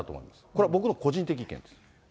これは僕の個人的意見です。